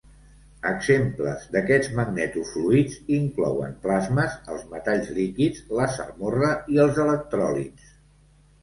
Exemples d'aquests magneto-fluids inclouen plasmes, els metalls líquids, la salmorra i els electròlits.